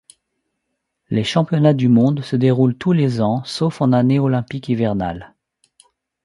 Les championnats du monde se déroulent tous les ans, sauf en année olympique hivernale.